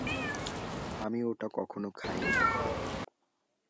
আমি ওটা কখনো খাইনি।